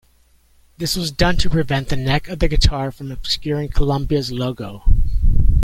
This was done to prevent the neck of the guitar from obscuring Columbia's logo.